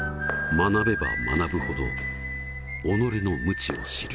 学べば学ぶほど己の無知を知る。